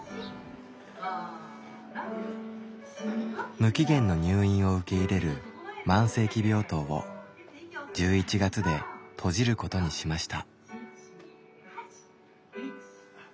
無期限の入院を受け入れる慢性期病棟を１１月で閉じることにしました。